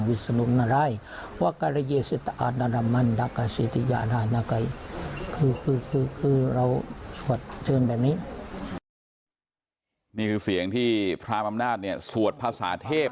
เพราะว่าพระอำนาจบอกว่าต้องใช้ภาษาเทพ